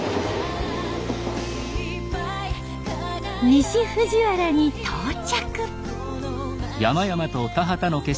西藤原に到着。